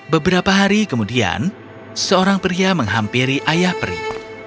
beberapa hari kemudian seorang pria menghampiri ayah peri